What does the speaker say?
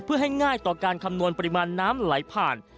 เพื่อให้ง่ายต่อการคำนวณปริมาณน้ำไหลผ่าน